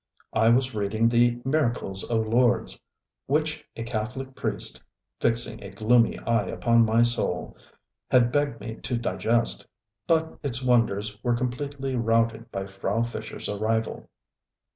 I was reading the ŌĆ£Miracles of Lourdes, ŌĆØ which a Catholic priestŌĆöfixing a gloomy eye upon my soulŌĆöhad begged me to digest; but its wonders were completely routed by Frau FischerŌĆÖs arrival.